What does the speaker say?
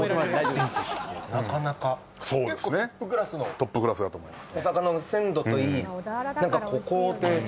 トップクラスだと思います